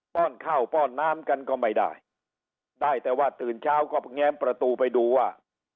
้อนข้าวป้อนน้ำกันก็ไม่ได้ได้แต่ว่าตื่นเช้าก็แง้มประตูไปดูว่า